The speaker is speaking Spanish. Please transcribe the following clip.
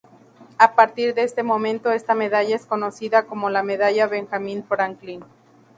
A partir de ese momento esta medalla es conocida como la Medalla Benjamin Franklin.